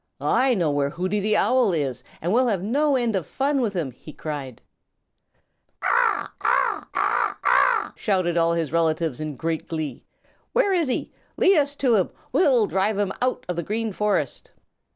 I know where Hooty the Owl is, and we'll have no end of fun with him," he cried. "Caw, caw, caw, caw, caw, caw!" shouted all his relatives in great glee. "Where is he? Lead us to him. We'll drive him out of the Green Forest!"